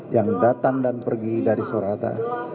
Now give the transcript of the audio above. yang datang dan pergi dari sorata